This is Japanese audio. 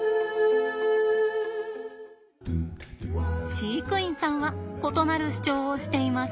飼育員さんは異なる主張をしています。